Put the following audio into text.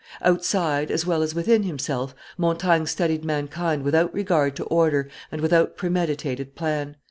Outside as well as within himself, Montaigne studied mankind without regard to order and without premeditated plan.